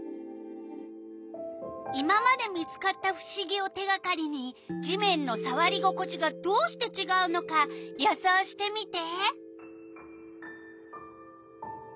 今まで見つかったふしぎを手がかりに地面のさわり心地がどうしてちがうのか予想してみて！